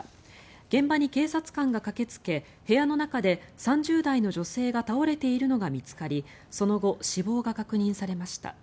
現場に警察官が駆けつけ部屋の中で３０代の女性が倒れているのが見つかりその後、死亡が確認されました。